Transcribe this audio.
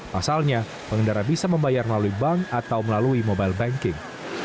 pasalnya pengendara bisa membayar melalui bank atau melalui mobile banking